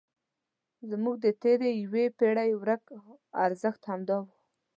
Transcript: زموږ د تېرې یوې پېړۍ ورک ارزښت همدا و.